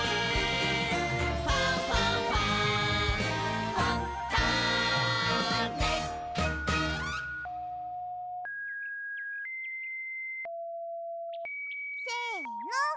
「ファンファンファン」せの！